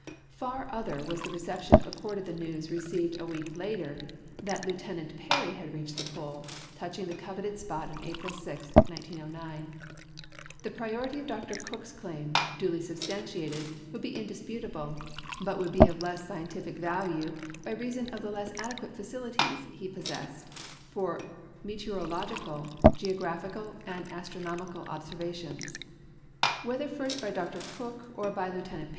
Far other was the reception accorded the news received a week later that Lieut. Peary had reached the Pole, touching the coveted spot on April 6, 1909. The prior ity of Dr. Cook's claim, duly substantiated, would be indisputable, but would be of less scientific value by reason of the less adequate facilities he possessed for meteorological, geographical and astronomical observa tions. Whether first by Dr. Cook or by Lieut.